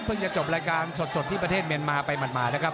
จะจบรายการสดที่ประเทศเมียนมาไปหมาดนะครับ